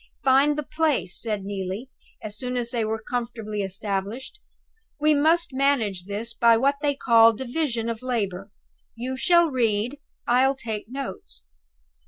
"Find the place," said Neelie, as soon as they were comfortably established. "We must manage this by what they call a division of labor. You shall read, and I'll take notes."